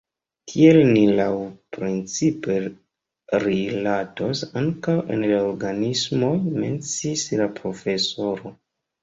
Tiel ni laŭprincipe rilatos ankaŭ al la organismoj, menciis la profesoro.